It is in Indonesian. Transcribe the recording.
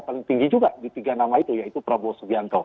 paling tinggi juga di tiga nama itu yaitu prabowo subianto